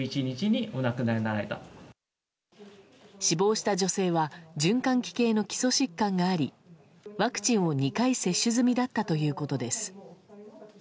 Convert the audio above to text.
死亡した女性は循環器系の基礎疾患がありワクチンを２回接種済みだったということです。